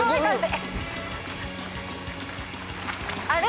あれ？